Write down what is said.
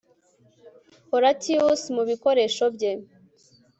Horatius mubikoresho bye